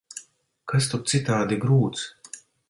Kas tur citādi grūts?